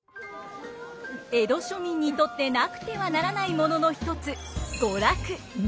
江戸庶民にとってなくてはならないものの一つ娯楽。